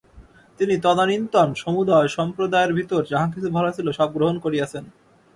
তিনি তদানীন্তন সমুদয় সম্প্রদায়ের ভিতর যাহা কিছু ভাল ছিল, সব গ্রহণ করিয়াছেন।